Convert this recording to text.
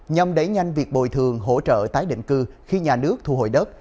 nhằm đẩy nhanh việc bồi thường hỗ trợ tái định cư khi nhà nước thu hồi đất